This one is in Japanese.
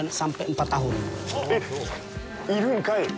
えっ、いるんかい！